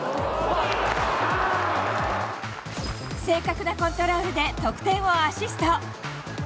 正確なコントロールで得点をアシスト。